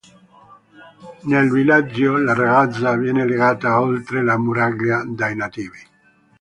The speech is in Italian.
Nel villaggio, la ragazza viene legata oltre la muraglia dai nativi.